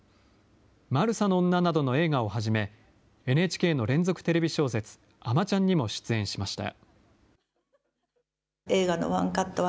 マルサの女などの映画をはじめ、ＮＨＫの連続テレビ小説、あまちゃんにも出演しました。